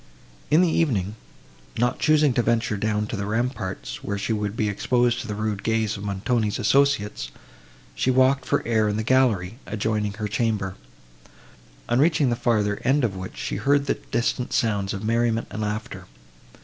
In the evening, not choosing to venture down to the ramparts, where she would be exposed to the rude gaze of Montoni's associates, she walked for air in the gallery, adjoining her chamber; on reaching the further end of which she heard distant sounds of merriment and laughter.